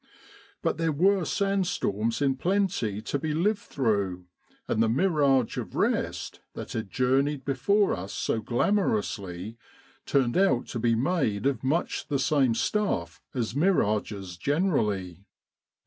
But there were sandstorms in plenty to be lived through, and the mirage of rest that had journeyed before us so glamorously, turned out to be made of much the same stuff as mirages generally.